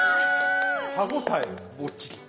歯応えもっちり。